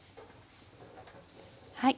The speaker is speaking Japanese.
はい。